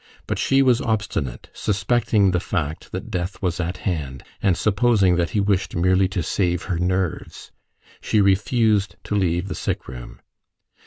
But she was obstinate, suspecting the fact that death was at hand, and supposing that he wished merely to save her nerves. She refused to leave the sick room.